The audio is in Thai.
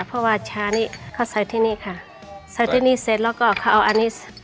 เพราะว่าชานี้เขาใส่ที่นี่ค่ะใส่ที่นี่เสร็จแล้วก็เขาเอาอันนี้